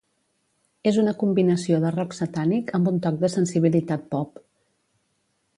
És una combinació de rock satànic amb un toc de sensibilitat pop.